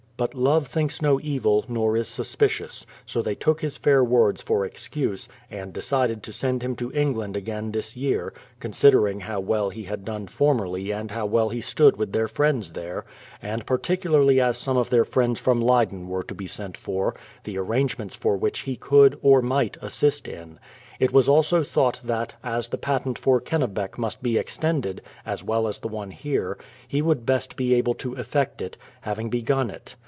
But love thinks no evil, nor is suspicious; so they took his fair words for excuse, and decided to send 200 BRADFORD'S HISTORY him to England again tliis year, considering how well he had done formerly and how well he stood with their friends there; and particularly as some of their friends from Leyden were to be sent for, the arrangements for which he could, or might, assist in. It was also thought that, as the pat ent for Kennebec must be extended, as well as the one here, he would best be able to effect it, having begim it.